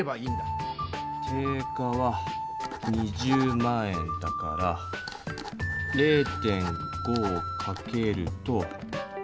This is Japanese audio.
定価は２０万円だから０．５をかけると１０万円。